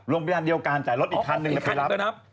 โรงพยาบาลเดียวกันจ่ายรถอีกคันหนึ่งนะครับ